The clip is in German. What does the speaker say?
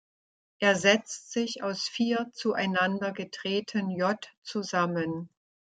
Es setzt sich aus vier zueinander gedrehten "J" zusammen.